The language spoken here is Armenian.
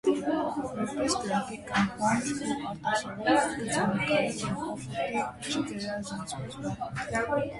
Որպես գրաֆիկ՝ անխոնջ ու արտասովոր գծանկարիչ և օֆորտի չգերազանցված վարպետ է։